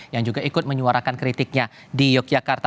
yang juga ikut menyuarakan kritiknya di yogyakarta